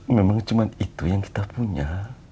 memang cuma itu yang kita punya